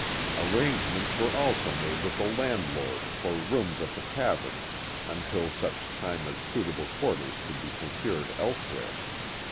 Arrangements were also made with the landlord for rooms at the tavern until such time as suitable quarters could be procured elsewhere.